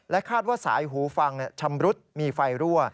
คาดว่าสายหูฟังชำรุดมีไฟรั่ว